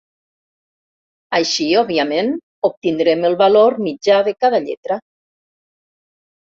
Així, òbviament, obtindrem el valor mitjà de cada lletra.